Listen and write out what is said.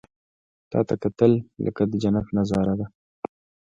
• تا ته کتل، لکه د جنت نظاره ده.